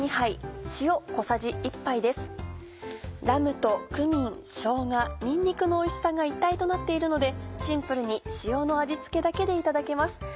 ラムとクミンしょうがにんにくのおいしさが一体となっているのでシンプルに塩の味付けだけでいただけます。